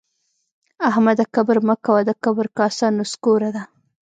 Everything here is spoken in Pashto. احمده کبر مه کوه؛ د کبر کاسه نسکوره ده